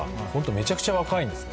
めちゃくちゃ若いんですね。